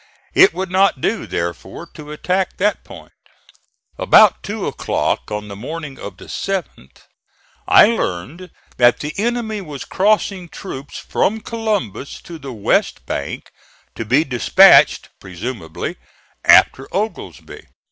It would not do, therefore, to attack that point. About two o'clock on the morning of the 7th, I learned that the enemy was crossing troops from Columbus to the west bank to be dispatched, presumably, after Oglesby.